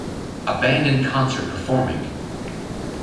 A band in concert performing.